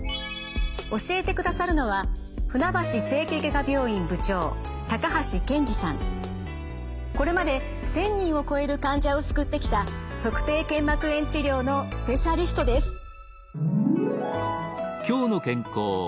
教えてくださるのはこれまで１，０００人を超える患者を救ってきた足底腱膜炎治療のスペシャリストです。